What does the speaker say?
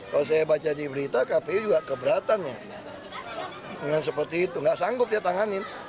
kalau saya baca di berita kpu juga keberatannya dengan seperti itu nggak sanggup dia tanganin